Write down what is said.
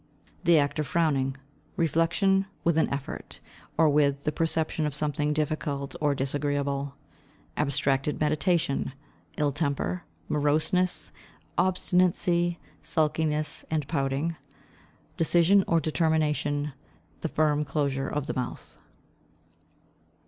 The act of frowning—Reflection with an effort, or with the perception of something difficult or disagreeable—Abstracted meditation—Ill temper—Moroseness—Obstinacy Sulkiness and pouting—Decision or determination—The firm closure of the mouth.